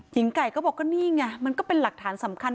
ไก่ก็บอกก็นี่ไงมันก็เป็นหลักฐานสำคัญ